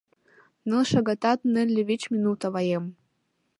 — Ныл шагатат нылле вич минут, аваем.